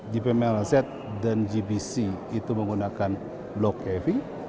dmlz dan gbc itu menggunakan block caving